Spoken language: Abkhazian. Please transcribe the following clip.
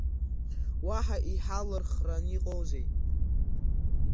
Уаҳа иҳалырхран иҟоузеи?